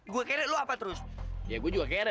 gua kere lu apa terus ya gua juga kere